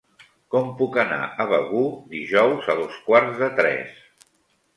Com puc anar a Begur dijous a dos quarts de tres?